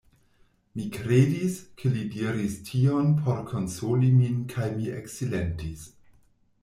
Mi kredis, ke li diris tion por konsoli min kaj mi eksilentis.